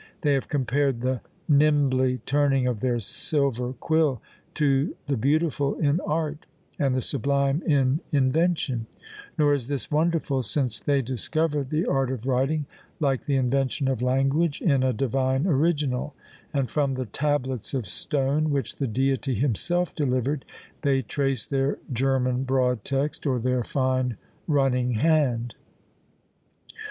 They have compared The nimbly turning of their silver quill to the beautiful in art and the sublime in invention; nor is this wonderful, since they discover the art of writing, like the invention of language, in a divine original; and from the tablets of stone which the Deity himself delivered, they trace their German broad text, or their fine running hand.